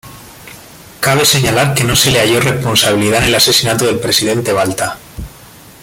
Cabe señalar que no se le halló responsabilidad en el asesinato del presidente Balta.